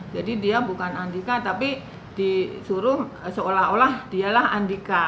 jadi dia bukan andika tapi disuruh seolah olah dialah andika